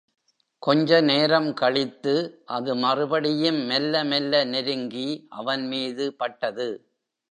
கொஞ்சநேரம் கழித்து அது மறுபடியும் மெல்ல மெல்ல நெருங்கி அவன் மீது பட்டது.